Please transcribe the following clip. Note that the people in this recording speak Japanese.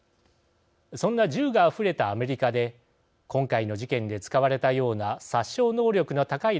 そんな銃があふれたアメリカで今回の事件で使われたような殺傷能力が高い